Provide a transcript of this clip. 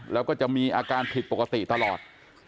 แล้วก็จะมีอาการผิดปกติตลอด